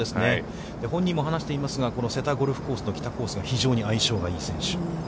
本人も話していますが、この瀬田ゴルフコース・北コースとは非常に相性がいい選手。